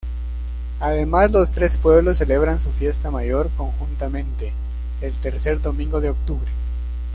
Además los tres pueblos celebran su fiesta mayor conjuntamente el tercer domingo de octubre.